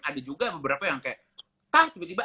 ada juga beberapa yang kayak ah tiba tiba